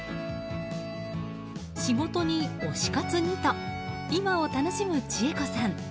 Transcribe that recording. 仕事に推し活にと今を楽しむ千恵子さん。